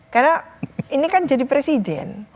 karena ini kan jadi presiden